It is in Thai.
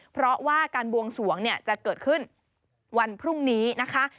เพราะว่าการบวงสวงเนี่ยจะเกิดขึ้นวันพรุ่งนี้นะคะ